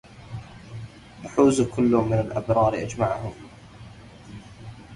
يحوز كل من الأبرار أجمعهم